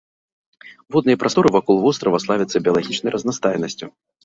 Водныя прасторы вакол вострава славяцца біялагічнай разнастайнасцю.